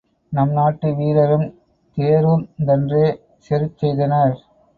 நம் நாட்டு வீரரும் தேரூர்ந்தன்றே செருச் செய்தனர்?